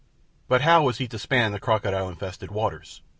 But how was he to span the crocodile infested waters?